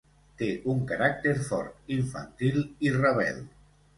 Té un caràcter fort, infantil i rebel.